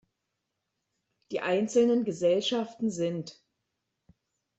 Die einzelnen Gesellschaften sind